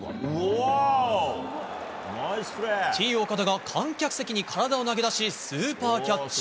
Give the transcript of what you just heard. Ｔ‐岡田が観客席に体を投げ出しスーパーキャッチ！